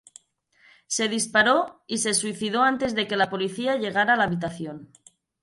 Se disparó y se suicidó antes de que la policía llegara a la habitación.